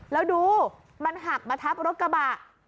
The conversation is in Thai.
แล้วดูมันหักมาทับรถกระบะ